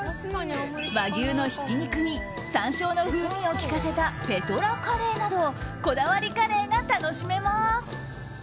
和牛のひき肉に山椒の風味を効かせたペトラカレーなどこだわりカレーが楽しめます。